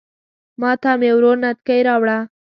ماته مې ورور نتکۍ راوړه